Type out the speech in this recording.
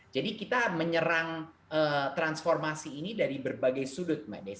kita menyerang transformasi ini dari berbagai sudut mbak desy